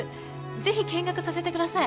ぜひ見学させてください